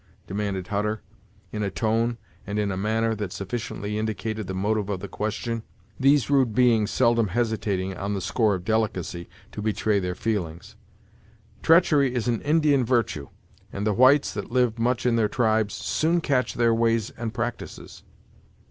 demanded Hutter, in a tone and in a manner that sufficiently indicated the motive of the question; these rude beings seldom hesitating, on the score of delicacy, to betray their feelings. "Treachery is an Indian virtue; and the whites, that live much in their tribes, soon catch their ways and practices."